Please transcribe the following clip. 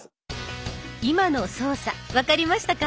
今の操作分かりましたか？